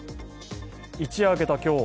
一夜明けた今日